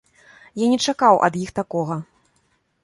Я не чакаў ад іх такога.